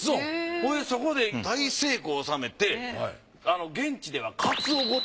そこで大成功を収めて現地ではうちが？